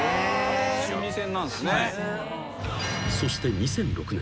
［そして２００６年。